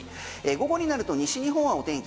午後になると西日本はお天気